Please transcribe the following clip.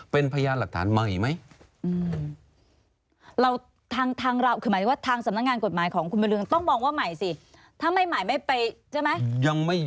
เป็นพยานหรักฐานใหม่มั้ย